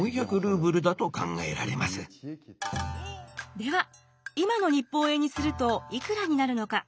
では今の日本円にするといくらになるのか？